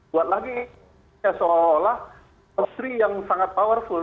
buat lagi ya seolah olah industri yang sangat powerful